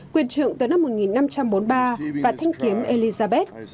quyền trượng tới năm một nghìn năm trăm bốn mươi ba và thanh kiếm elizabeth